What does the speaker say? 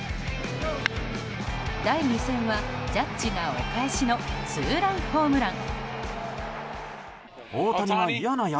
第２戦はジャッジがお返しのツーランホームラン。